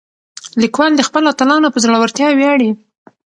لیکوال د خپلو اتلانو په زړورتیا ویاړي.